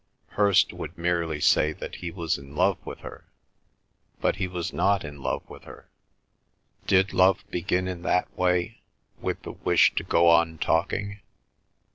Hirst would merely say that he was in love with her. But he was not in love with her. Did love begin in that way, with the wish to go on talking?